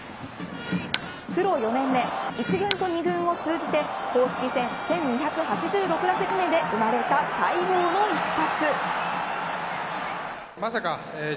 プロ４年目１軍と２軍を通じて公式戦１２８６打席目で生まれた待望の一発。